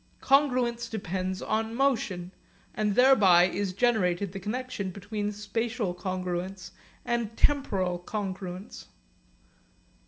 Congruence depends on motion, and thereby is generated the connexion between spatial congruence and temporal congruence.